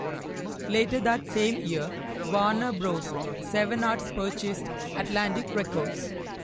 Later that same year, Warner Bros.-Seven Arts purchased Atlantic Records.